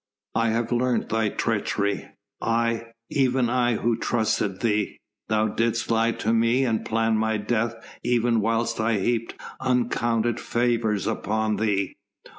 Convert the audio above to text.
"I have learnt thy treachery, I, even I, who trusted thee. Thou didst lie to me and plan my death even whilst I heaped uncounted favours upon thee."